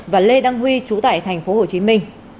và lê đăng huy trú tại thành phố hồ chí minh